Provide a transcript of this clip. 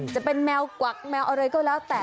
จะเป็นแมวกวักแมวอะไรก็แล้วแต่